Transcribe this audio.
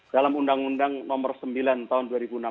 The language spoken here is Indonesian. dalam undang undang nomor sembilan tahun dua ribu enam belas